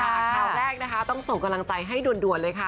ข่าวแรกนะคะต้องส่งกำลังใจให้ด่วนเลยค่ะ